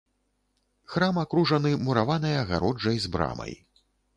Храм акружаны мураванай агароджай з брамай.